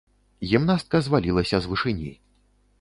Гімнастка звалілася з вышыні.